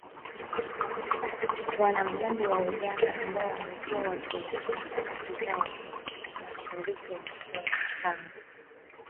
Wanamgambo wa Uganda ambao wamekuwa wakiendesha harakati zao mashariki mwa Kongo tangu miaka ya elfu moja mia tisa tisini na kuua raia wengi